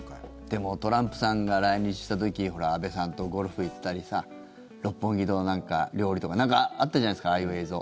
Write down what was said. でもトランプさんが来日した時安倍さんとゴルフ行ったりさ六本木で料理とかあったじゃないですかああいう映像。